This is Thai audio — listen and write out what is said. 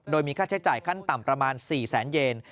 โดยมีค่าใช้จ่ายขั้นต่ำประมาณ๔แสนเยน